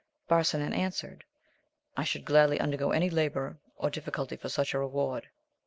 Barsinan answered, I should gladly undergo any labour or diffi culty for such a reward.